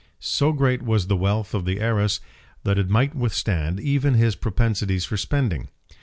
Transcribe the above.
So great was the wealth of the heiress that it might withstand even his propensities for spending.